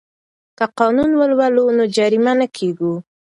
که قانون ولولو نو جریمه نه کیږو.